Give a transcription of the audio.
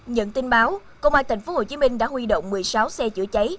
nhận tin báo công an tp hcm đã huy động một mươi sáu xe chữa cháy